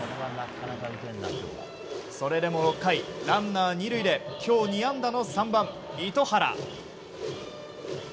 それでも６回、ランナー２塁で今日２安打の３番、糸原。